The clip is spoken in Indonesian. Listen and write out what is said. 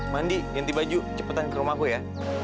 mandi ganti baju cepetan ke rumahku ya